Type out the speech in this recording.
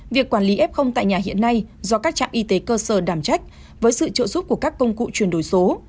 việc quản lý f tại nhà hiện nay do các trạm y tế cơ sở đảm trách với sự trợ giúp của các công cụ chuyển đổi số